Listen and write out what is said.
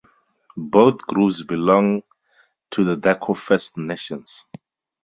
Both groups belong to the Dehcho First Nations.